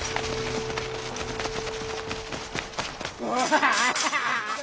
・ハハハハ！